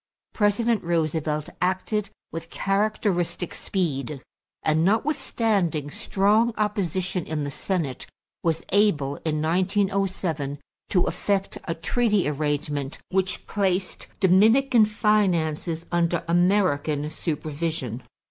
President Roosevelt acted with characteristic speed, and notwithstanding strong opposition in the Senate was able, in 1907, to effect a treaty arrangement which placed Dominican finances under American supervision.